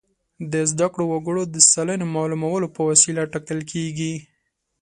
د زده کړو وګړو د سلنې معلومولو په وسیله ټاکل کیږي.